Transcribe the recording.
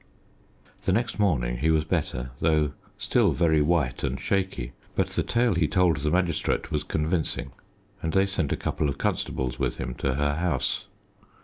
The next morning he was better, though still very white and shaky. But the tale he told the magistrate was convincing, and they sent a couple of constables with him to her house.